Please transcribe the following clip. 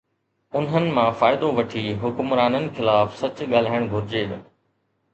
انهن مان فائدو وٺي حڪمرانن خلاف سچ ڳالهائڻ گهرجي.